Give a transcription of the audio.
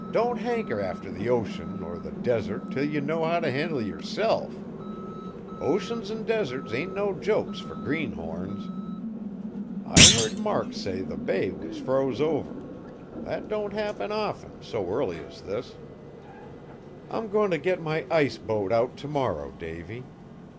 Don't hanker arter the ocean nor the desert till ye know how t' handle yerself. Oceans an' deserts ain't no jokes fur greenhorns. I heard Mark say the bay was froze over. That don't happen often, so early as this." "I'm going to get my ice boat out to morrow, Davy.